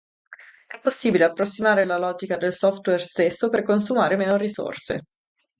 È possibile approssimare la logica del software stesso per consumare meno risorse.